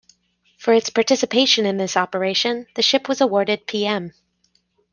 For its participation in this operation, the ship was awarded pm.